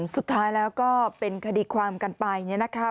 สุดท้ายแล้วก็เป็นคดีความกันไปเนี่ยนะคะ